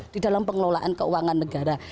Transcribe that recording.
di dalam pengelolaan keuangan negara